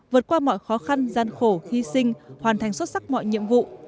vượt qua mọi khó khăn gian khổ hy sinh hoàn thành xuất sắc mọi nhiệm vụ